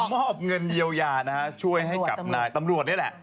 มอบเงินเยียวยานะฮะช่วยให้กับนายตำรวจนี่แหละ